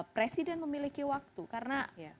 presiden memiliki waktu karena